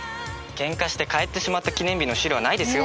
ケンカして帰ってしまった記念日のシールはないですよ。